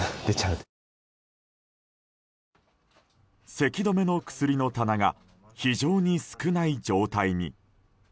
せき止めの薬の棚が非常に少ない状態に。